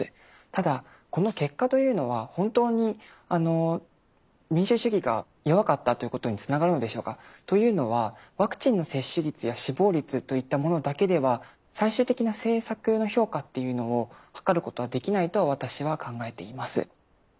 ただこの結果というのは本当に民主主義が弱かったということにつながるのでしょうか？というのはワクチンの接種率や死亡率といったものだけでは最終的な政策の評価っていうのをはかることはできないと私は考えています。